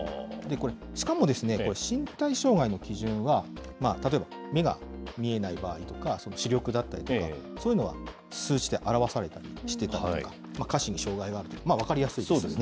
しかも、身体障害の基準は、例えば目が見えない場合とか、視力だったりとか、そういうのは数値で表されたりしてるんですが、下肢に障害があったり、分かりやすいですよね。